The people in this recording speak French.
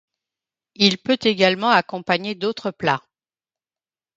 Il peut également accompagner d'autres plats.